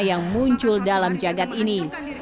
yang muncul dalam jagad ini